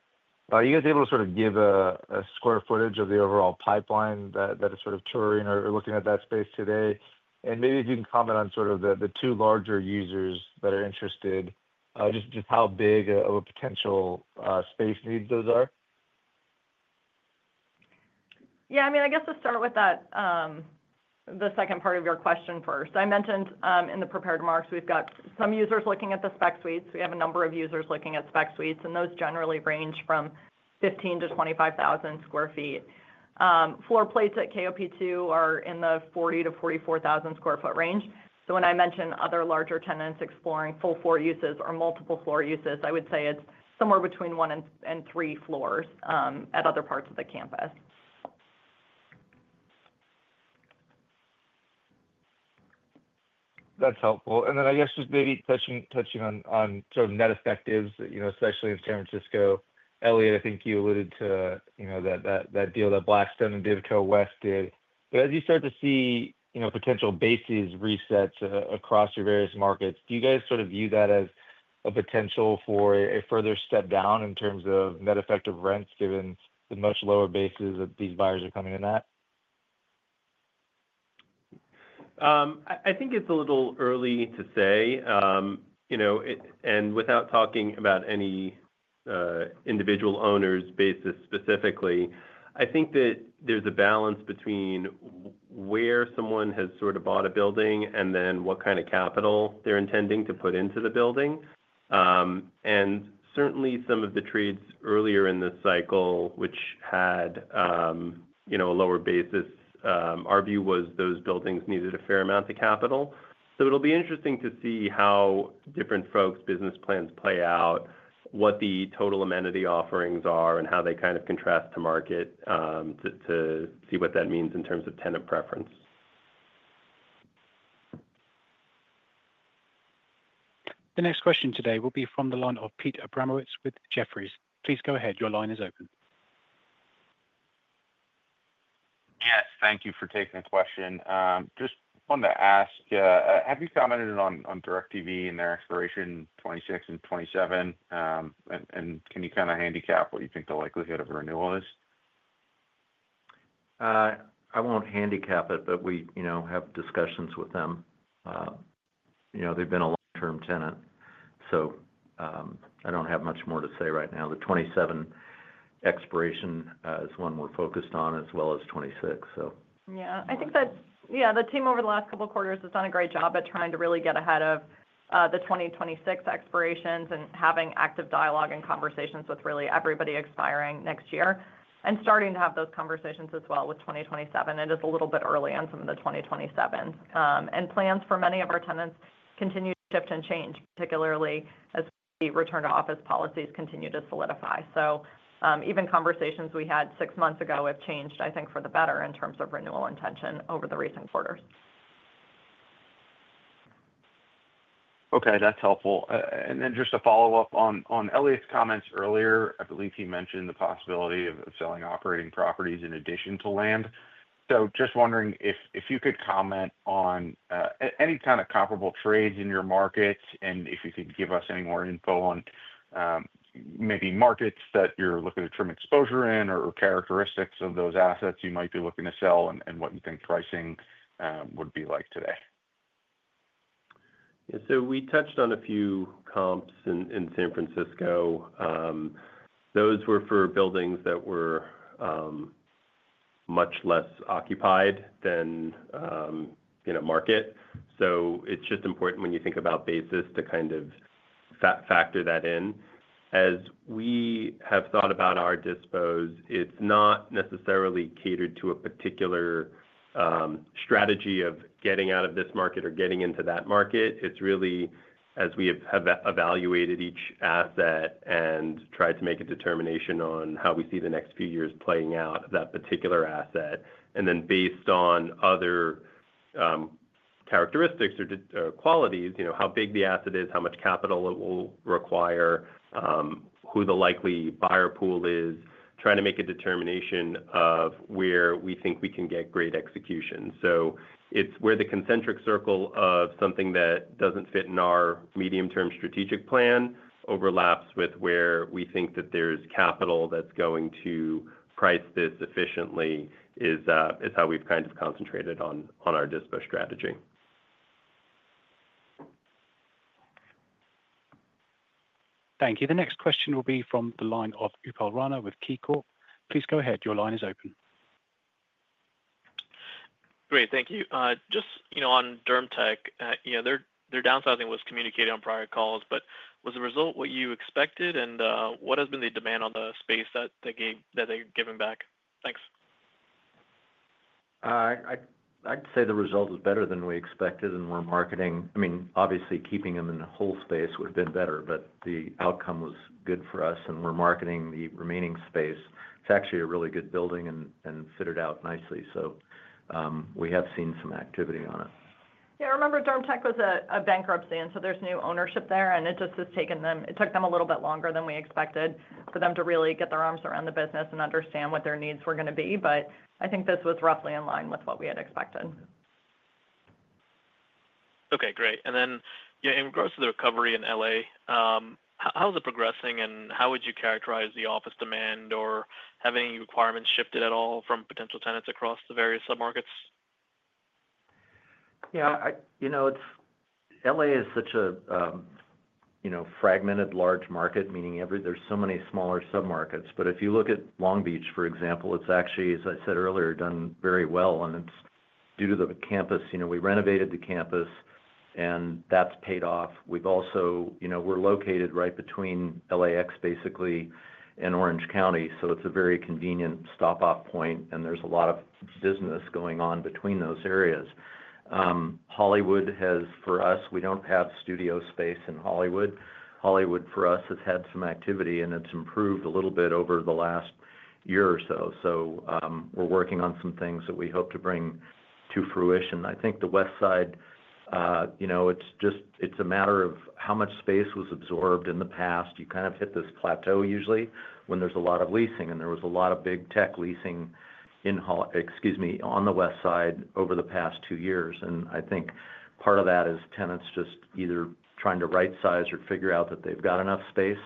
[SPEAKER 14] are you guys able to sort of give a square footage of the overall pipeline that is sort of touring or looking at that space today? Maybe if you can comment on sort of the two larger users that are interested, just how big of a potential space needs those are?
[SPEAKER 3] Yeah. I mean, I guess to start with that, the second part of your question first. I mentioned in the prepared marks, we've got some users looking at the spec suites. We have a number of users looking at spec suites, and those generally range from 15,000 sq ft-25,000 sq ft. Floor plates at KOP2 are in the 40,000 sq ft-44,000 sq ft range. So when I mention other larger tenants exploring full-floor uses or multiple-floor uses, I would say it's somewhere between one and three floors at other parts of the campus.
[SPEAKER 14] That's helpful. I guess just maybe touching on sort of net effectives, especially in San Francisco. Eliott, I think you alluded to that deal that Blackstone and DivcoWest did. As you start to see potential bases reset across your various markets, do you guys sort of view that as a potential for a further step down in terms of net effective rents, given the much lower bases that these buyers are coming in at?
[SPEAKER 4] I think it's a little early to say. Without talking about any individual owners' bases specifically, I think that there's a balance between where someone has sort of bought a building and then what kind of capital they're intending to put into the building. Certainly, some of the trades earlier in this cycle, which had a lower basis, our view was those buildings needed a fair amount of capital. It will be interesting to see how different folks' business plans play out, what the total amenity offerings are, and how they kind of contrast to market to see what that means in terms of tenant preference.
[SPEAKER 1] The next question today will be from the line of Peter Abramowitz with Jefferies. Please go ahead. Your line is open.
[SPEAKER 15] Yes. Thank you for taking the question. Just wanted to ask, have you commented on DirecTV and their expiration 2026 and 2027? And can you kind of handicap what you think the likelihood of a renewal is?
[SPEAKER 8] I won't handicap it, but we have discussions with them. They've been a long-term tenant. I don't have much more to say right now. The 2027 expiration is one we're focused on, as well as 2026.
[SPEAKER 3] Yeah. I think that, yeah, the team over the last couple of quarters has done a great job at trying to really get ahead of the 2026 expirations and having active dialogue and conversations with really everybody expiring next year. Starting to have those conversations as well with 2027. It is a little bit early on some of the 2027s. Plans for many of our tenants continue to shift and change, particularly as return-to-office policies continue to solidify. Even conversations we had six months ago have changed, I think, for the better in terms of renewal intention over the recent quarters.
[SPEAKER 15] Okay. That's helpful. Just to follow up on Eliott's comments earlier, I believe he mentioned the possibility of selling operating properties in addition to land. I am just wondering if you could comment on any kind of comparable trades in your markets and if you could give us any more info on maybe markets that you're looking to trim exposure in or characteristics of those assets you might be looking to sell and what you think pricing would be like today.
[SPEAKER 4] Yeah. We touched on a few comps in San Francisco. Those were for buildings that were much less occupied than market. It is just important when you think about basis to kind of factor that in. As we have thought about our dispos, it is not necessarily catered to a particular strategy of getting out of this market or getting into that market. It is really as we have evaluated each asset and tried to make a determination on how we see the next few years playing out at that particular asset. Then based on other characteristics or qualities, how big the asset is, how much capital it will require, who the likely buyer pool is, trying to make a determination of where we think we can get great execution. Where the concentric circle of something that does not fit in our medium-term strategic plan overlaps with where we think that there is capital that is going to price this efficiently is how we have kind of concentrated on our dispo strategy.
[SPEAKER 1] Thank you. The next question will be from the line of Upal Rana with KeyBanc. Please go ahead. Your line is open.
[SPEAKER 16] Great. Thank you. Just on DermTech, their downsizing was communicated on prior calls, but was the result what you expected? What has been the demand on the space that they're giving back? Thanks.
[SPEAKER 8] I'd say the result is better than we expected. I mean, obviously, keeping them in the whole space would have been better, but the outcome was good for us. We're marketing the remaining space. It's actually a really good building and fitted out nicely. We have seen some activity on it.
[SPEAKER 3] Yeah. I remember DermTech was a bankruptcy, and so there's new ownership there. It just has taken them a little bit longer than we expected for them to really get their arms around the business and understand what their needs were going to be. I think this was roughly in line with what we had expected.
[SPEAKER 16] Okay. Great. In regards to the recovery in L.A., how is it progressing? How would you characterize the office demand? Have any requirements shifted at all from potential tenants across the various submarkets?
[SPEAKER 8] Yeah. LA is such a fragmented large market, meaning there's so many smaller submarkets. If you look at Long Beach, for example, it's actually, as I said earlier, done very well. It's due to the campus. We renovated the campus, and that's paid off. We're located right between LAX, basically, and Orange County. It's a very convenient stop-off point, and there's a lot of business going on between those areas. Hollywood has, for us, we don't have studio space in Hollywood. Hollywood, for us, has had some activity, and it's improved a little bit over the last year or so. We're working on some things that we hope to bring to fruition. I think the West Side, it's a matter of how much space was absorbed in the past. You kind of hit this plateau usually when there's a lot of leasing. There was a lot of big tech leasing on the West Side over the past two years. I think part of that is tenants just either trying to right-size or figure out that they've got enough space.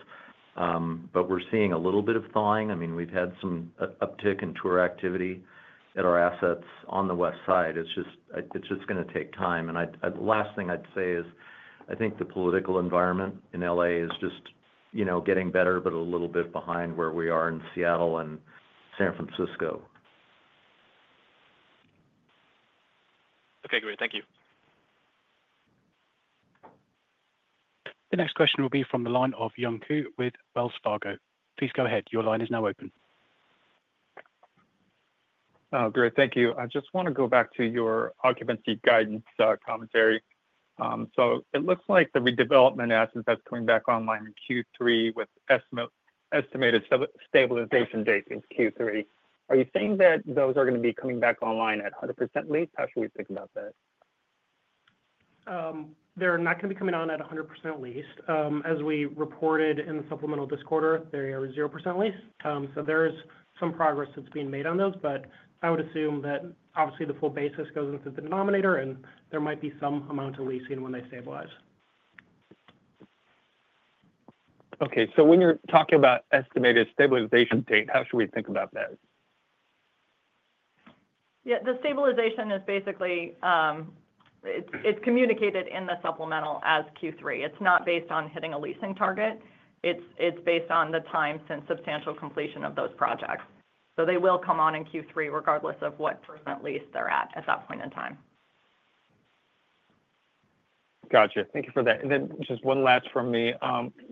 [SPEAKER 8] I mean, we're seeing a little bit of thawing. We've had some uptick in tour activity at our assets on the West Side. It's just going to take time. The last thing I'd say is I think the political environment in L.A. is just getting better but a little bit behind where we are in Seattle and San Francisco.
[SPEAKER 16] Okay. Great. Thank you.
[SPEAKER 1] The next question will be from the line of Young Ku with Wells Fargo. Please go ahead. Your line is now open.
[SPEAKER 17] Oh, great. Thank you. I just want to go back to your occupancy guidance commentary. It looks like the redevelopment assets that's coming back online in Q3 with estimated stabilization date in Q3. Are you saying that those are going to be coming back online at 100% lease? How should we think about that?
[SPEAKER 5] They're not going to be coming on at 100% lease. As we reported in the supplemental this quarter, they are 0% leased. There is some progress that's being made on those. I would assume that, obviously, the full basis goes into the denominator, and there might be some amount of leasing when they stabilize.
[SPEAKER 17] Okay. When you're talking about estimated stabilization date, how should we think about that?
[SPEAKER 3] Yeah. The stabilization is basically, it's communicated in the supplemental as Q3. It's not based on hitting a leasing target. It's based on the time since substantial completion of those projects. They will come on in Q3 regardless of what percent lease they're at at that point in time.
[SPEAKER 17] Gotcha. Thank you for that. And then just one last from me.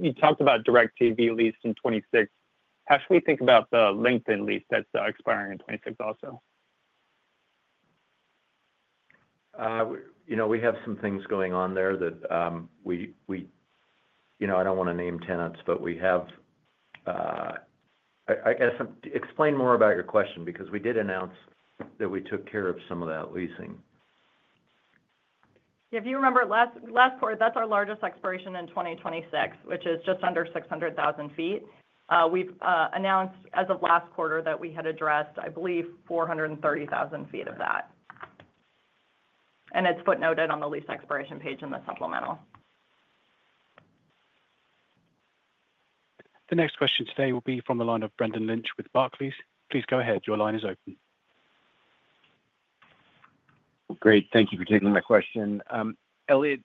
[SPEAKER 17] You talked about DirecTV lease in 2026. How should we think about the LinkedIn lease that's expiring in 2026 also?
[SPEAKER 8] We have some things going on there that we, I don't want to name tenants, but we have, I guess, explain more about your question because we did announce that we took care of some of that leasing.
[SPEAKER 3] Yeah. If you remember last quarter, that's our largest expiration in 2026, which is just under 600,000 sq ft. We've announced as of last quarter that we had addressed, I believe, 430,000 sq ft of that. And it's footnoted on the lease expiration page in the supplemental.
[SPEAKER 1] The next question today will be from the line of Brendan Lynch with Barclays. Please go ahead. Your line is open.
[SPEAKER 18] Great. Thank you for taking my question. Eliott,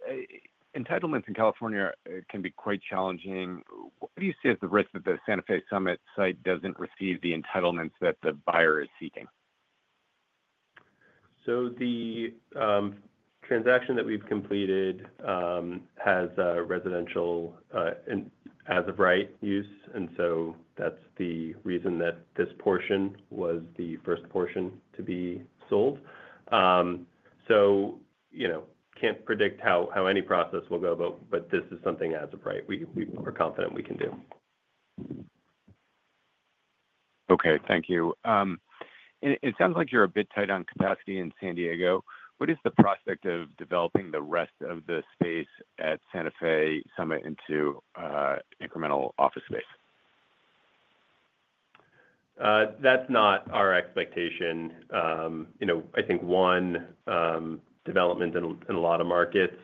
[SPEAKER 18] entitlements in California can be quite challenging. What do you see as the risk that the Santa Fe Summit site doesn't receive the entitlements that the buyer is seeking?
[SPEAKER 4] The transaction that we've completed has residential as-of-right use. And that's the reason that this portion was the first portion to be sold. Can't predict how any process will go, but this is something as-of-right we are confident we can do.
[SPEAKER 18] Okay. Thank you. It sounds like you're a bit tight on capacity in San Diego. What is the prospect of developing the rest of the space at Santa Fe Summit into incremental office space?
[SPEAKER 4] That's not our expectation. I think, one, development in a lot of markets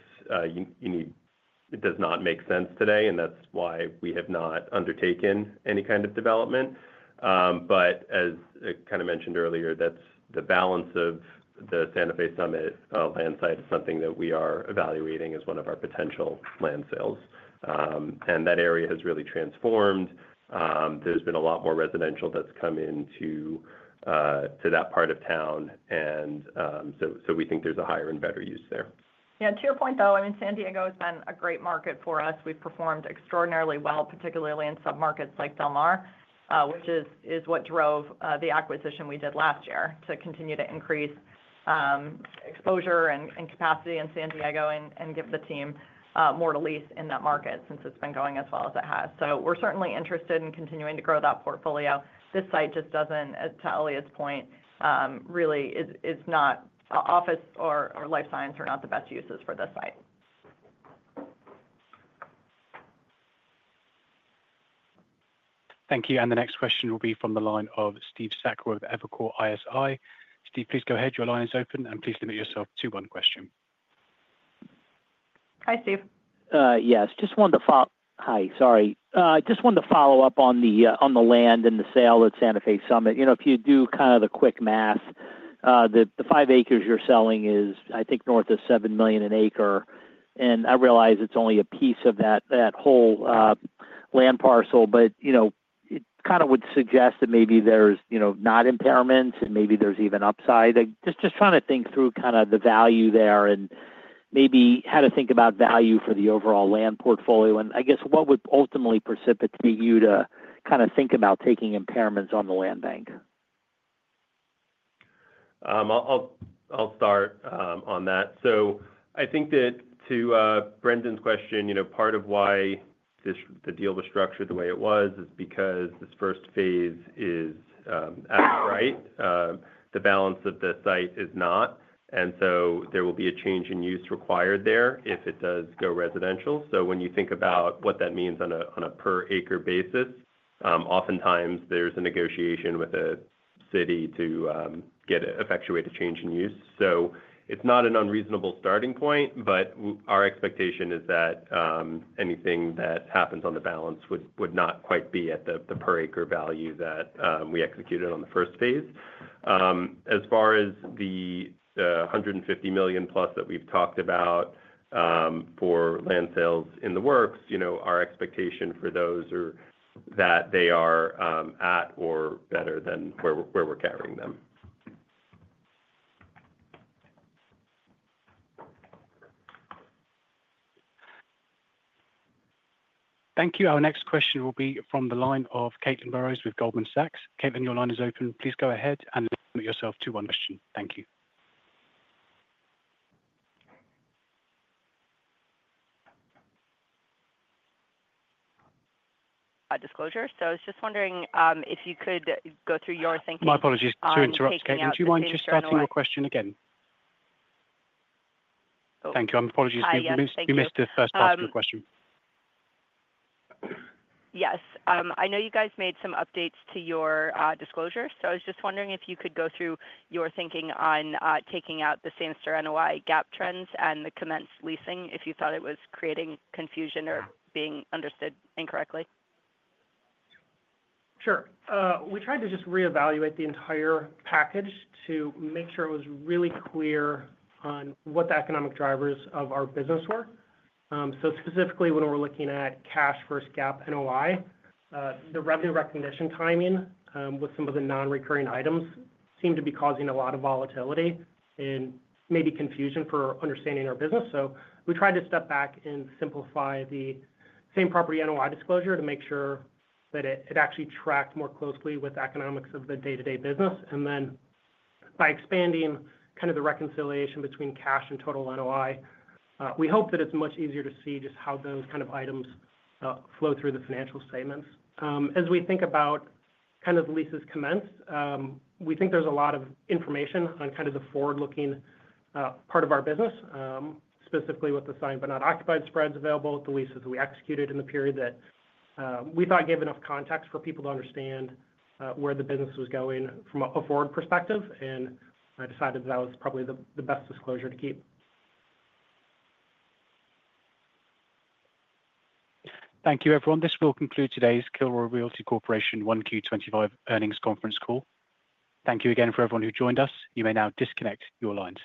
[SPEAKER 4] does not make sense today, and that's why we have not undertaken any kind of development. As I kind of mentioned earlier, the balance of the Santa Fe Summit land site is something that we are evaluating as one of our potential land sales. That area has really transformed. There's been a lot more residential that's come into that part of town. We think there's a higher and better use there.
[SPEAKER 3] Yeah. To your point, though, I mean, San Diego has been a great market for us. We've performed extraordinarily well, particularly in submarkets like Del Mar, which is what drove the acquisition we did last year to continue to increase exposure and capacity in San Diego and give the team more to lease in that market since it's been going as well as it has. We are certainly interested in continuing to grow that portfolio. This site just does not, to Eliott's point, really is not office or life science are not the best uses for this site.
[SPEAKER 1] Thank you. The next question will be from the line of Steve Sakwa of Evercore ISI. Steve, please go ahead. Your line is open. Please limit yourself to one question.
[SPEAKER 3] Hi, Steve.
[SPEAKER 9] Yes. Just wanted to—hi, sorry. Just wanted to follow up on the land and the sale at Santa Fe Summit. If you do kind of the quick math, the five acres you're selling is, I think, north of $7 million an acre. I realize it's only a piece of that whole land parcel, but it kind of would suggest that maybe there's not impairments and maybe there's even upside. Just trying to think through kind of the value there and maybe how to think about value for the overall land portfolio. I guess what would ultimately precipitate you to kind of think about taking impairments on the land bank?
[SPEAKER 4] I'll start on that. I think that to Brendan's question, part of why the deal was structured the way it was is because this first phase is as-of-right. The balance of the site is not. There will be a change in use required there if it does go residential. When you think about what that means on a per-acre basis, oftentimes there's a negotiation with a city to effectuate a change in use. It's not an unreasonable starting point, but our expectation is that anything that happens on the balance would not quite be at the per-acre value that we executed on the first phase. As far as the $150 million-plus that we've talked about for land sales in the works, our expectation for those is that they are at or better than where we're carrying them.
[SPEAKER 1] Thank you. Our next question will be from the line of Caitlin Burrows with Goldman Sachs. Caitlin, your line is open. Please go ahead and limit yourself to one question. Thank you.
[SPEAKER 11] Disclosure. I was just wondering if you could go through your thinking.
[SPEAKER 1] My apologies to interrupt. Caitlin, do you mind just starting your question again? Oh, sorry. Thank you. My apologies. We missed the first part of your question.
[SPEAKER 11] Yes. I know you guys made some updates to your disclosure. I was just wondering if you could go through your thinking on taking out the same-store NOI GAAP trends and the commenced leasing if you thought it was creating confusion or being understood incorrectly.
[SPEAKER 5] Sure. We tried to just reevaluate the entire package to make sure it was really clear on what the economic drivers of our business were. Specifically, when we're looking at cash versus GAAP NOI, the revenue recognition timing with some of the non-recurring items seemed to be causing a lot of volatility and maybe confusion for understanding our business. We tried to step back and simplify the same property NOI disclosure to make sure that it actually tracked more closely with the economics of the day-to-day business. By expanding kind of the reconciliation between cash and total NOI, we hope that it's much easier to see just how those kind of items flow through the financial statements.
[SPEAKER 3] As we think about kind of the leases commenced, we think there's a lot of information on kind of the forward-looking part of our business, specifically with the signed but not occupied spreads available, the leases that we executed in the period that we thought gave enough context for people to understand where the business was going from a forward perspective. I decided that that was probably the best disclosure to keep.
[SPEAKER 1] Thank you, everyone. This will conclude today's Kilroy Realty Corporation 1Q25 earnings conference call. Thank you again for everyone who joined us. You may now disconnect your line.